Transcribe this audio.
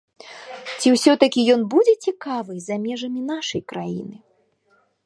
Ці ўсё-такі ён будзе цікавы і за межамі нашай краіны?